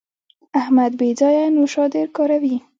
احمد بې ځایه نوشادر کاروي.